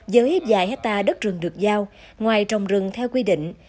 giới dài hét ta đất rừng được giao ngoài trồng rừng theo quy định